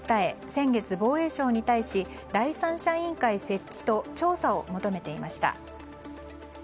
先月、防衛省に対し第三者委員会設置と調査を求めていました。